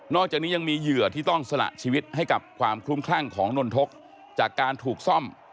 อกจากนี้ยังมีเหยื่อที่ต้องสละชีวิตให้กับความคลุ้มคลั่งของนนทกจากการถูกซ่อม